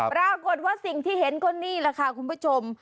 ปรากฏว่าสิ่งที่เห็นก็นี่แหละค่ะคุณผู้ชม